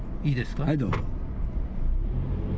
はい、どうぞ。